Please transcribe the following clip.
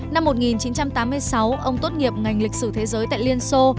năm một nghìn chín trăm tám mươi sáu ông tốt nghiệp ngành lịch sử thế giới tại liên xô